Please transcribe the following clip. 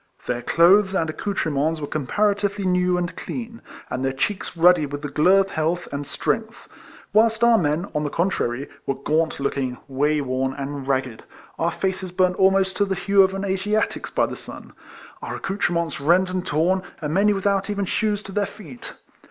Their clothes and accoutrements were com paratively new and clean, and their cheeks ruddy with the glow of health and strength ; whilst our men, on the con trary, were gaunt looking, way worn, and ragged; our faces burnt almost to the hue of an Asiatic's by the sun; our accoutre ments rent and torn; and many without even shoes to their feet.